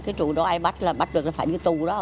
cái chủ đó ai bắt là phải cái tù đó